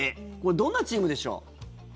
どんなチームでしょう。